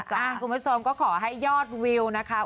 คุณผู้ประสงค์ก็ขอให้ยอดวิวนะคะ